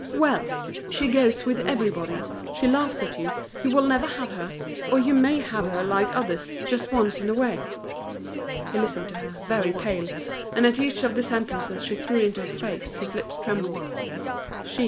Well! she goes with everybody, she laughs at you, you will never have her, or you may have her, like others, just once in a way." He listened to her, very pale; and at each of the sentences she threw into his face, his lips trembled.